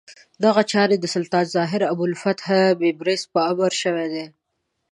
دغه چارې د سلطان الظاهر ابوالفتح بیبرس په امر شوې دي.